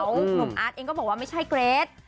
หนุ่มอาร์ตเองก็บอกว่าไม่ใช่เกรท